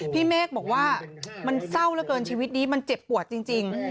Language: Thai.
เมฆบอกว่ามันเศร้าเหลือเกินชีวิตนี้มันเจ็บปวดจริง